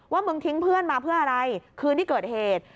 มึงทิ้งเพื่อนมาเพื่ออะไรคืนที่เกิดเหตุ